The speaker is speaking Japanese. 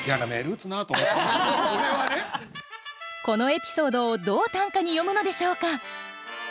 このエピソードをどう短歌に詠むのでしょうか。